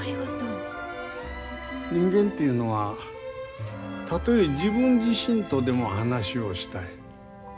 人間というのはたとえ自分自身とでも話をしたい。